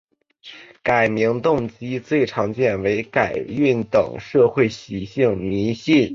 改名动机最常见为改运等社会惯习迷信。